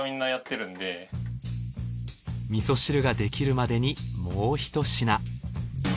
味噌汁ができるまでにもうひと品。